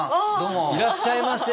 いらっしゃいませ。